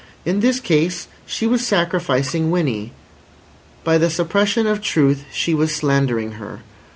In this case she was sacrificing Winnie. By the suppression of truth she was slandering her.